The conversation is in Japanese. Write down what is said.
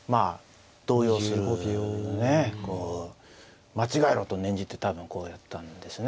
動揺するねえこう間違えろと念じて多分こうやったんですね。